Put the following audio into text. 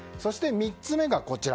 ３つ目がこちら。